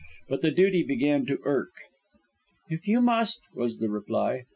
But the duty began to irk. "If you must," was the reply.